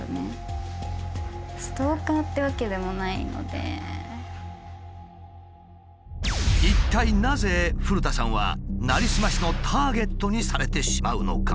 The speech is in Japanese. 結局一体なぜ古田さんはなりすましのターゲットにされてしまうのか？